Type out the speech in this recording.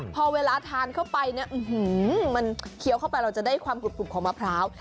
พอเวลาทานเข้าไปเนี่ยมันเคี้ยวเข้าไปเราจะได้ความกรุบของมะพร้าว